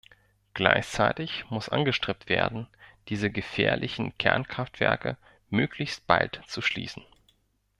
Gleichzeitig muss angestrebt werden, diese gefährlichen Kernkraftwerke möglichst bald zu schließen.